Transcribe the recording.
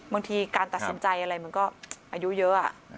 บางทีการตัดสินใจอะไรมันก็อายุเยอะ